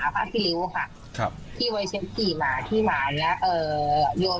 บางครั้งเนี่ยเขาจะโยนผ้า